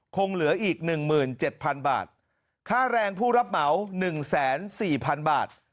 คงเหลืออีก๑๗๐๐บาทค่าแรงผู้รับเหมา๑๔๐๐๐บาท